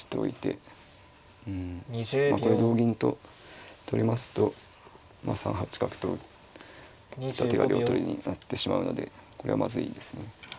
これ同銀と取りますと３八角と打った手が両取りになってしまうのでこれはまずいですね。